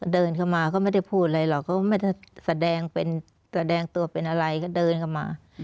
เดินเข้ามาก็ไม่ได้พูดอะไรหรอกเขาไม่ได้แสดงเป็นแสดงตัวเป็นอะไรก็เดินเข้ามา